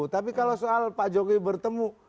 tapi kalau soal pak jokowi bertemu